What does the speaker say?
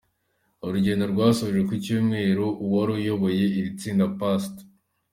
Urugendo rwasojwe kucyumweru uwari uyoboye iri tsinda Past.